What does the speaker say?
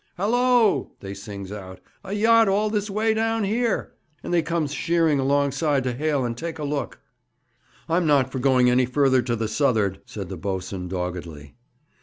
"Hallo," they sings out, "a yacht all this way down here!" and they comes sheering alongside to hail and take a look.' 'I'm not for going any further to the s'uth'ard,' said the boatswain doggedly.